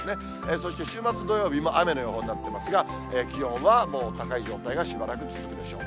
そして週末土曜日も雨の予報になってますが、気温はもう高い状態がしばらく続くでしょう。